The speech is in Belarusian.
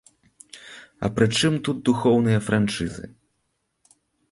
А прычым тут духоўныя франшызы?